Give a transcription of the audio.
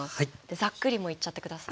ザックリもういっちゃって下さい。